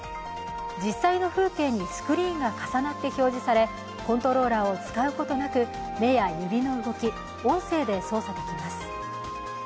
実際の風景にスクリーンが重なって表示されコントローラーを使うことなく目や指の動き、音声で操作できます